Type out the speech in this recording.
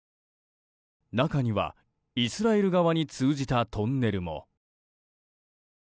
中にはイスラエル側に通じたトンネルも。